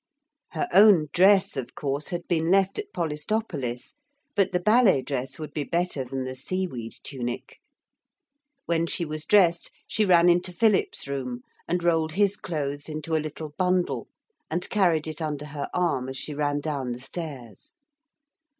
Her own dress, of course, had been left at Polistopolis, but the ballet dress would be better than the seaweed tunic. When she was dressed she ran into Philip's room and rolled his clothes into a little bundle and carried it under her arm as she ran down the stairs.